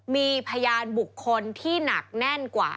มีพยานบุคคลที่หนักแน่นกว่า